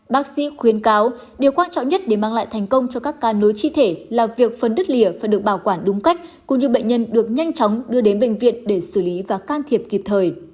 bác sĩ khuyên cáo điều quan trọng nhất để mang lại thành công cho các ca nối chi thể là việc phấn đứt lìa phải được bảo quản đúng cách cũng như bệnh nhân được nhanh chóng đưa đến bệnh viện để xử lý và can thiệp kịp thời